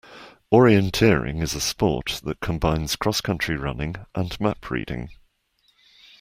Orienteering is a sport that combines cross-country running and map reading